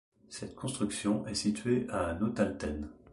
Cette construction est située à Nothalten.